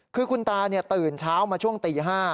คือคุณตาตื่นเช้ามาช่วงตี๕